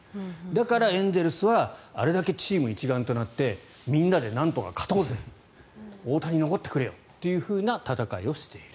だからエンゼルスはあれだけチーム一丸となってみんなで勝とうぜと大谷、残ってくれよという戦い方をしている。